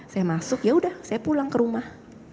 saya masuk yaudah saya pulang ke rumah